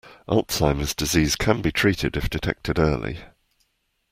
Alzheimer’s disease can be treated if detected early.